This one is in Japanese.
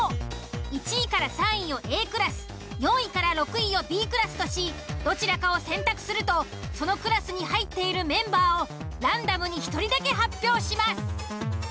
１位３位をＡクラス４位６位をＢクラスとしどちらかを選択するとそのクラスに入っているメンバーをランダムに１人だけ発表します。